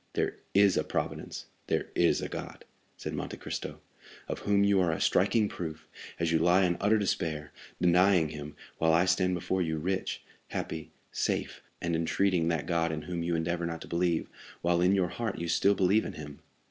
"There is a Providence; there is a God," said Monte Cristo, "of whom you are a striking proof, as you lie in utter despair, denying him, while I stand before you, rich, happy, safe and entreating that God in whom you endeavor not to believe, while in your heart you still believe in him."